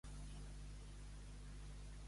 Juny eixut, bon vi al cup.